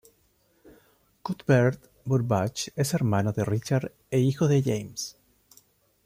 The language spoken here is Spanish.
Cuthbert Burbage es hermano de Richard e hijo de James.